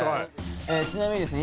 ちなみにですね